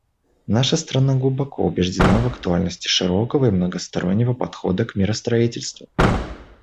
Наша страна глубоко убеждена в актуальности широкого и многостороннего подхода к миростроительству.